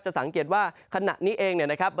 สังเกตว่าขณะนี้เองเนี่ยนะครับ